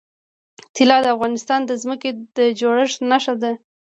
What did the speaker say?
طلا د افغانستان د ځمکې د جوړښت نښه ده.